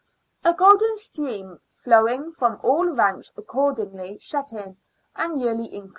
A golden stream flowing from all ranks accordingly set in, and yearly increased.